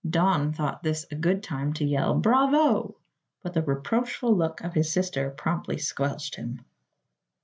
Don thought this a good time to yell "Bravo!" but the reproachful look of his sister promptly "squelched" him.